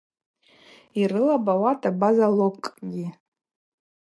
Йрылапӏ ауат абаза локӏгьи.